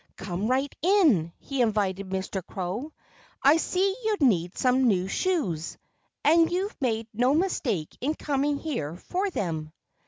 "Come right in!" he invited Mr. Crow. "I see you need some new shoes. And you've made no mistake in coming here for them."